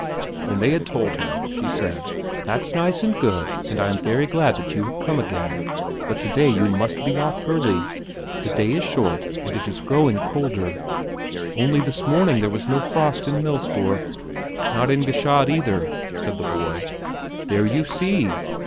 When they had told her she said: "That's nice and good, and I am very glad that you have come again; but today you must be off early, the day is short and it is growing colder. Only this morning there was no frost in Millsdorf." "Not in Gschaid, either," said the boy. "There you see.